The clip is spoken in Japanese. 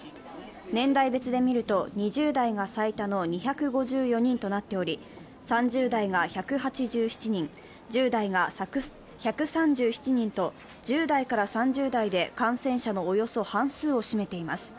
年代別で見ると、２０代が最多の２５４人となっており３０代が１８７人、１０代が１３７人と１０代から３０代で感染者のおよそ半数を占めています。